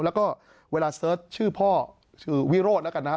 แล้วก็เวลาเสิร์ชชื่อพ่อชื่อวิโรธแล้วกันนะฮะ